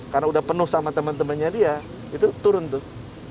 karena sudah penuh sama teman temannya dia itu turun tuh